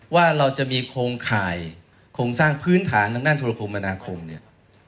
ว่าเราจะมีโครงข่ายโครงสร้างพื้นฐานทางด้านธุรคมมนาคมเนี่ย